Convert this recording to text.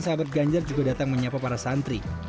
sahabat ganjar juga datang menyapa para santri